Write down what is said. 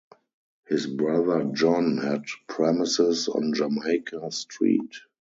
His brother John had premises on Jamaica Street.